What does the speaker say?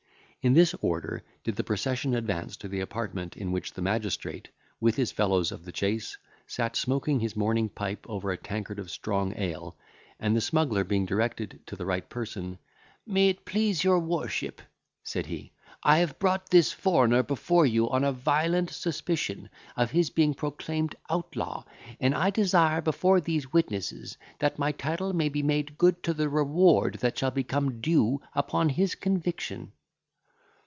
In this order did the procession advance to the apartment in which the magistrate, with his fellows of the chase, sat smoking his morning pipe over a tankard of strong ale, and the smuggler being directed to the right person, "May it please your worship," said he, "I have brought this foreigner before you, on a violent suspicion of his being a proclaimed outlaw; and I desire, before these witnesses, that my title may be made good to the reward that shall become due upon his conviction."